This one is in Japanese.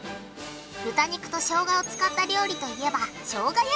豚肉としょうがを使った料理といえば。